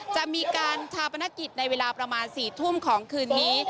จะมีการชาปนกิจในเวลาประมาณ๔ทุ่มของคืนนี้